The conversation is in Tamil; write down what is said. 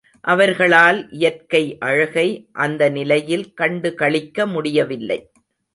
அவர்களால் இயற்கை அழகை அந்த நிலையில் கண்டு களிக்க முடியவில்லை.